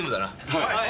はい。